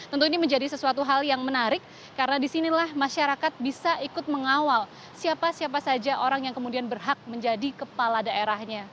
tentu ini menjadi sesuatu hal yang menarik karena disinilah masyarakat bisa ikut mengawal siapa siapa saja orang yang kemudian berhak menjadi kepala daerahnya